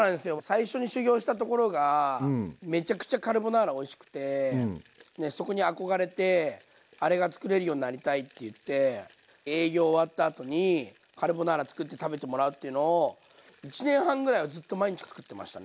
最初に修業したところがめちゃくちゃカルボナーラおいしくてそこに憧れてあれが作れるようになりたいって言って営業終わったあとにカルボナーラ作って食べてもらうっていうのを１年半ぐらいはずっと毎日作ってましたね。